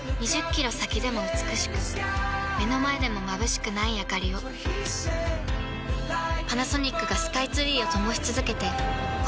２０キロ先でも美しく目の前でもまぶしくないあかりをパナソニックがスカイツリーを灯し続けて今年で１０年